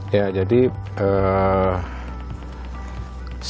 ya jadi saya punya